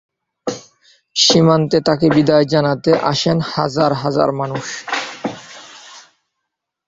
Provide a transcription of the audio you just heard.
সীমান্তে তাকে বিদায় জানাতে আসেন হাজার হাজার মানুষ।